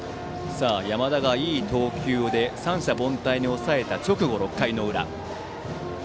山田がいい投球で三者凡退に抑えた直後の６回の裏。